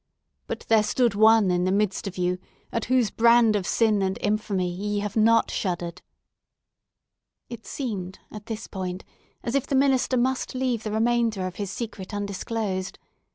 But there stood one in the midst of you, at whose brand of sin and infamy ye have not shuddered!" It seemed, at this point, as if the minister must leave the remainder of his secret undisclosed.